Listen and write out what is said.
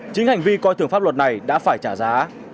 chính hành vi coi thường pháp luật này đã phải trả giá